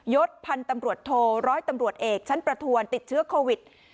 ศพันธ์ตำรวจโทรร้อยตำรวจเอกชั้นประทวนติดเชื้อโควิด